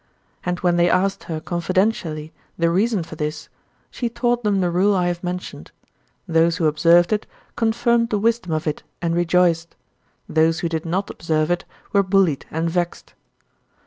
And when they asked her confidentially the reason for this, she taught them the rule I have mentioned. Those who observed it confirmed the wisdom of it and rejoiced; those who did not observe it were bullied and vexed.